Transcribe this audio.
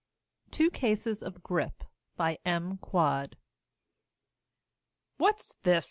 TWO CASES OF GRIP BY M. QUAD "What's this!